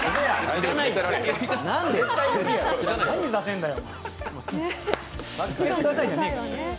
何させんだよ。